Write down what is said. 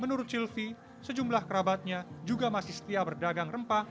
menurut sylvi sejumlah kerabatnya juga masih setia berdagang rempah